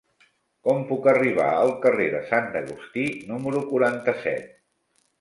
Com puc arribar al carrer de Sant Agustí número quaranta-set?